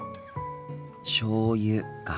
しょうゆか。